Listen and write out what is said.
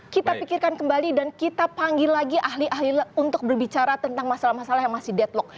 kita pikirkan kembali dan kita panggil lagi ahli ahli untuk berbicara tentang masalah masalah yang masih deadlock